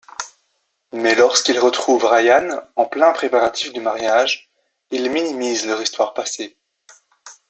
Mais lorsqu'il retrouve Ryan en pleins préparatifs du mariage, il minimise leur histoire passée.